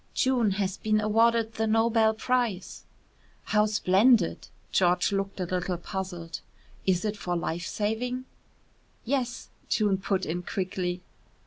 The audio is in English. "June has been awarded the Nobel prize." "How splendid!" George looked a little puzzled. "Is it for life saving?" "Yes," June put in quickly.